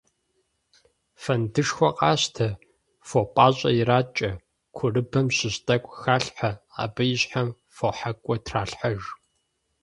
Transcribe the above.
Фэндышхуэ къащтэ, фо пIащIэ иракIэ, курыбэм щыщ тIэкIу халъхьэ, абы и щхьэм фохьэкIуэ тралъхьэж.